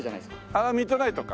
ああミッドナイトか。